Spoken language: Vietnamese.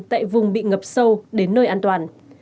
tại vùng bị ngập sâu đến nơi an toàn